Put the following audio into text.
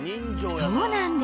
そうなんです。